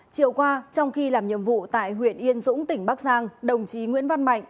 chiều qua trong khi làm nhiệm vụ tại huyện yên dũng tỉnh bắc giang đồng chí nguyễn văn mạnh